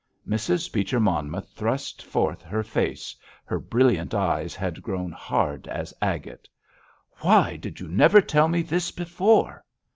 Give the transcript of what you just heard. Mrs. Beecher Monmouth thrust forth her face—her brilliant eyes had grown hard as agate. "Why did you never tell me this before?"